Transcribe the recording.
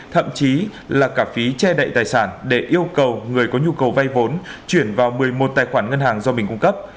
thậm chí là cả phí che đậy tài sản để yêu cầu người có nhu cầu vay vốn chuyển vào một mươi một tài khoản ngân hàng do mình cung cấp